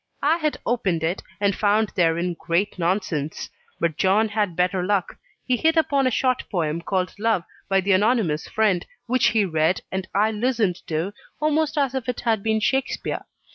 I had opened it, and found therein great nonsense; but John had better luck he hit upon a short poem called "Love," by the Anonymous Friend, which he read, and I listened to, almost as if it had been Shakspeare.